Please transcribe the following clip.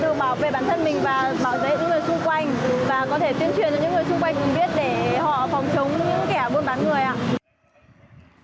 tự bảo vệ bản thân mình và bảo vệ những người xung quanh và có thể tuyên truyền cho những người xung quanh cùng biết để họ phòng chống những kẻ buôn bán người ạ